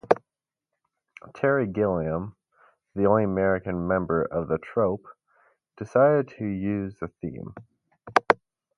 Terry Gilliam, the only American member of the troupe, decided to use the theme.